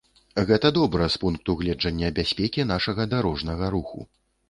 Гэта добра з пункту гледжання бяспекі нашага дарожнага руху.